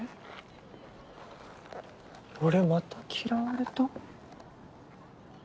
俺また嫌われた？